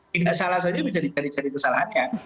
tidak salah saja bisa dicari cari kesalahannya